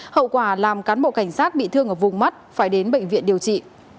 hậu quả làm cán bộ cảnh sát bị thương ở vùng mắt phải đến bệnh viện điều trị